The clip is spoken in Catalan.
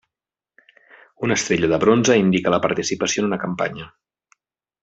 Una estrella de bronze indica la participació en una campanya.